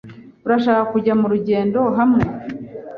Urashaka kujya murugendo hamwe?